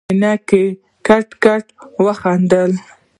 عينکي کټ کټ وخندل.